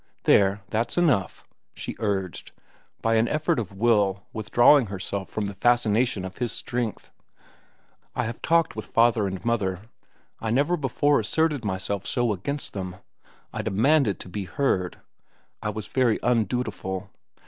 "There, that's enough," she urged, by an effort of will withdrawing herself from the fascination of his strength. "I have talked with father and mother. I never before asserted myself so against them. I demanded to be heard. I was very undutiful.